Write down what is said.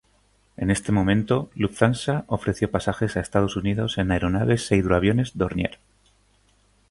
En este momento, Lufthansa ofreció pasajes a Estados Unidos en aeronaves e hidroaviones Dornier.